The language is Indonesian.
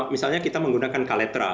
misalnya kita menggunakan kaletra